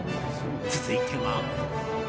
続いては。